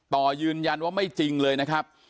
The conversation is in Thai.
ต่อยืนยันว่าไม่จริงเลยนะครับ